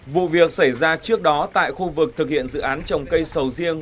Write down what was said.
vụ việc xảy ra trước đó tại khu vực thực hiện dự án trồng cây sầu riêng